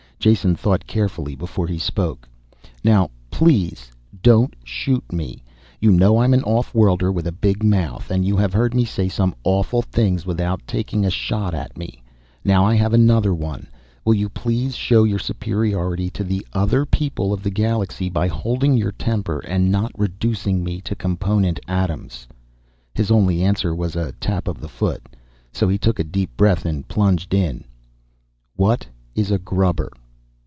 Jason thought carefully before he spoke. "Now please, don't shoot me. You know I'm an off worlder with a big mouth, and you have heard me say some awful things without taking a shot at me. Now I have another one. Will you please show your superiority to the other people of the galaxy by holding your temper and not reducing me to component atoms?" His only answer was a tap of the foot, so he took a deep breath and plunged in. "What is a 'grubber'?"